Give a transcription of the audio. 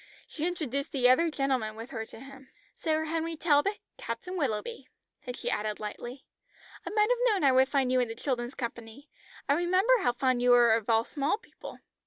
She introduced the other gentlemen with her to him. "Sir Henry Talbot. Captain Willoughby." Then she added lightly "I might have known I would find you in the children's company. I remember how fond you were of all small people."